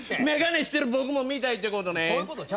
眼鏡してる僕も見たいってことね。